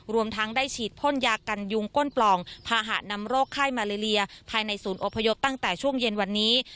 รวมทั้งได้ฉีดพ่นยากันยุงก้นปล่องพาหะนำโรคไข้มาเลเลียภายในศูนย์อพยพตั้งแต่ช่วงเย็นวันนี้